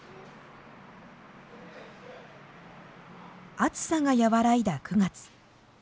暑さが和らいだ９月。